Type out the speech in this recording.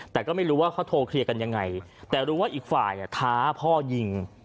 แต่ก็ไม่รู้ว่าเขาโทรเคลียร์กันยังไงแต่รู้ว่าอีกฝ่ายท้าพ่อยิง